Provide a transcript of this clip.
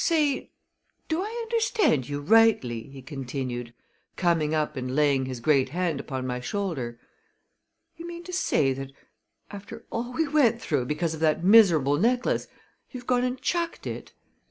"Say, do I understand you rightly?" he continued, coming up and laying his great hand upon my shoulder. "You mean to say that, after all we went through because of that miserable necklace, you've gone and chucked it?